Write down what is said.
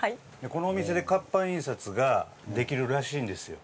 このお店で活版印刷ができるらしいんですよ。